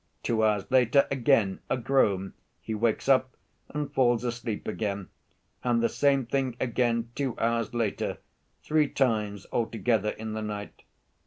Two hours later, again a groan, he wakes up and falls asleep again; and the same thing again two hours later—three times altogether in the night.